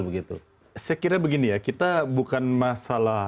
saya kira begini ya kita bukan masalah